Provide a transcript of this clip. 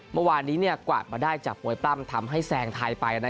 เมื่อวานีกว่ามาได้จากโหยปลำทำให้แทนทัยไป